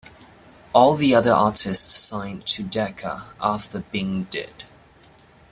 All the other artists signed to Decca after Bing did.